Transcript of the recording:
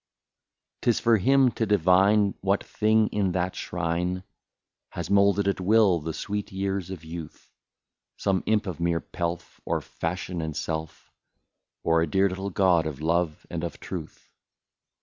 'T is for him to divine what thing in that shrine Has moulded at will the sweet years of youth, Some imp of mere pelf, of fashion, and self. Or a dear little god of love and of truth.